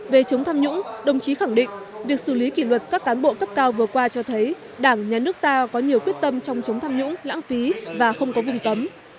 về chống tham nhũng đồng chí khẳng định việc xử lý kỷ luật các cán bộ cấp cao vừa qua cho thấy đảng nhà nước ta có nhiều quyết tâm trong chống tham nhũng lãng phí và không có vùng cấm